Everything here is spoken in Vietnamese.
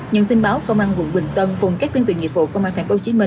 những tin báo công an quận bình tân cùng các tuyên truyền nghiệp vụ công an tp hcm